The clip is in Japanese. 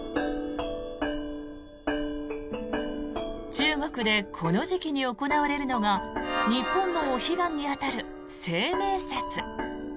中国でこの時期に行われるのが日本のお彼岸に当たる清明節。